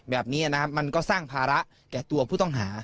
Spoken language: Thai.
แบบนี้นะครับมันก็สร้างภาระแก่ตัวผู้ต้องหา